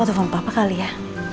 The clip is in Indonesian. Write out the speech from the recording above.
aku telfon papa kali ya